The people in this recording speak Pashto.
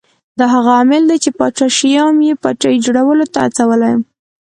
دا هغه عامل دی چې پاچا شیام یې پاچاهۍ جوړولو ته هڅولی